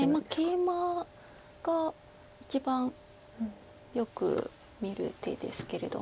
ケイマが一番よく見る手ですけれども。